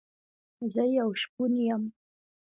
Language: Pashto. زه يو شپون يم